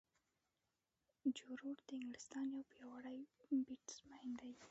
جو روټ د انګلستان یو پیاوړی بیټسمېن دئ.